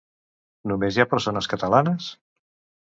Només hi ha persones catalanes?